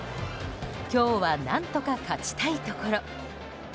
今日は何とか勝ちたいところ。